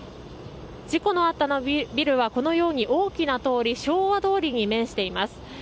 事故のあったビルはこのように、大きな通り昭和通りに面しています。